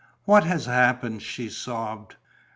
"What has happened?" she sobbed.